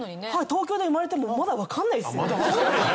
東京で生まれてもまだわからないですよ。